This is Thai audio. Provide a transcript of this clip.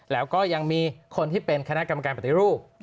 แล้วก็ยังมีคนที่เป็นคณะกรรมการปฏิรูป